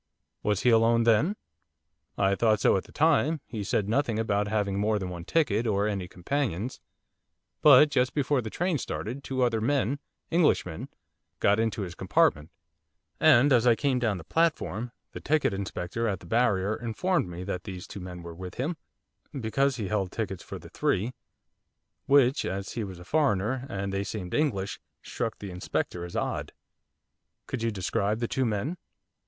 'Was he alone then?' 'I thought so at the time, he said nothing about having more than one ticket, or any companions, but just before the train started two other men English men got into his compartment; and as I came down the platform, the ticket inspector at the barrier informed me that these two men were with him, because he held tickets for the three, which, as he was a foreigner, and they seemed English, struck the inspector as odd.' 'Could you describe the two men?